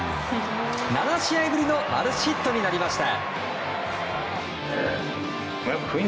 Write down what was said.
７試合ぶりのマルチヒットになりました。